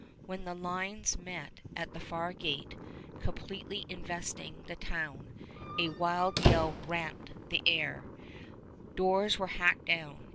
When the lines met at the far gate, completely investing the town, a wild yell rent the air! Doors were hacked down.